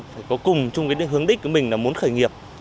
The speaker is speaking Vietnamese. phải có cùng chung cái hướng đích của mình là muốn khởi nghiệp